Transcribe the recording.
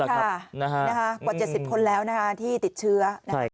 กว่า๗๐คนแล้วที่ติดเชื้อ